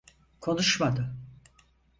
Konuşmadı.